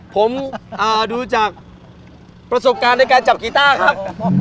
ผมดูจากประสบการณ์ในการจับกีต้าครับ